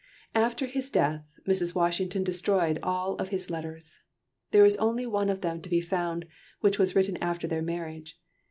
After his death, Mrs. Washington destroyed all of his letters. There is only one of them to be found which was written after their marriage.